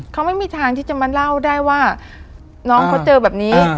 เขาไม่มีทางที่จะมาเล่าได้ว่าน้องเขาเจอแบบนี้